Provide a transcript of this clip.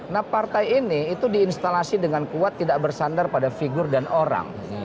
nah partai ini itu diinstalasi dengan kuat tidak bersandar pada figur dan orang